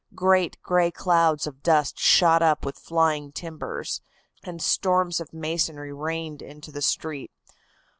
Great gray clouds of dust shot up with flying timbers, and storms of masonry rained into the street.